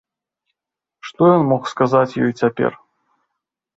Што ён мог сказаць ёй цяпер?